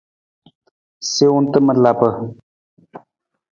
Siwung tamar lapa.